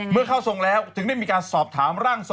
เข้าทรงแล้วถึงได้มีการสอบถามร่างทรง